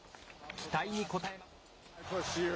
期待に応えます。